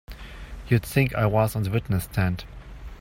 You'd think I was on the witness stand!